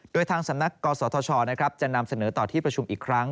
โดยทางสำนักกศธชจะนำเสนอต่อที่ประชุมอีกครั้ง